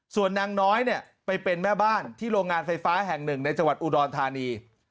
ส่วนนางน้อยเนี่ยไปเป็นแม่บ้านที่โรงงานไฟฟ้าแห่งหนึ่งในจังหวัดอุดรธานี